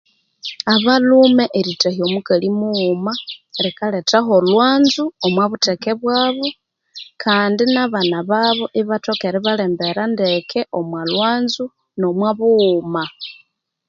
Abalhume erithahya omukali mughuma likalethaholwanzu omobutheke bwabo kandi naban babo Ibathoka iribalembera ndeke omolhwanzu nomwabughuma